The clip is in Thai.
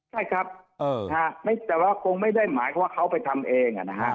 ใช่ครับอืมห้าแต่ว่ากวงไม่ได้หมายเพราะเค้าไปทำเองอ่ะนะฮะ